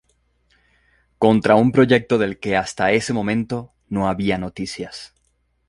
contra un proyecto del que hasta ese momento no había noticias